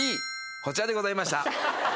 こちらでございました